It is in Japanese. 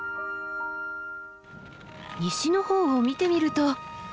西の方を見てみると。